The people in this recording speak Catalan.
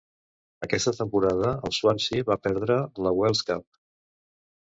Aquesta temporada el Swansea va perdre la Welsh Cup.